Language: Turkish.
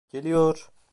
Geliyor!